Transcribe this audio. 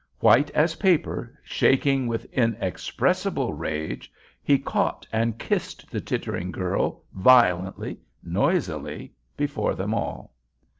White as paper, shaking with inexpressible rage, he caught and kissed the tittering girl, violently, noisily, before them all.